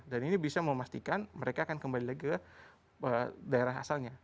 dan ini bisa memastikan mereka akan kembali lagi ke daerah asalnya